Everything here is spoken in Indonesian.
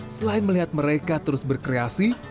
selain melihat mereka terus berkreasi